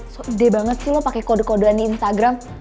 sode banget sih lo pakai kode kodean di instagram